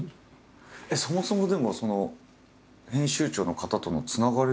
そもそもでもその編集長の方とのつながりっていうのは？